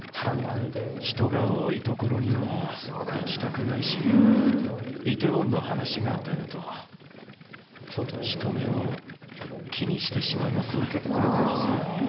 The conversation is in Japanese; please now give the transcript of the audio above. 人が多い所には行きたくないし、イテウォンの話が出ると、人目を気にしてしまいますね。